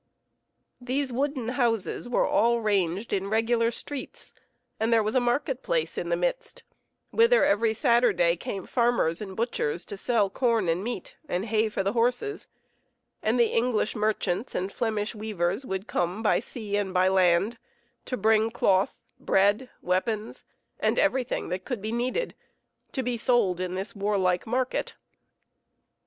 These wooden houses were all ranged in regular streets, and there was a market place in the midst, whither every Saturday came farmers and butchers to sell corn and meat, and hay for the horses; and the English merchants and Flemish weavers would come by sea and by land to bring cloth, bread, weapons, and everything that could be needed to be sold in this warlike market.